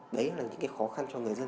đấy là những khó khăn cho người dân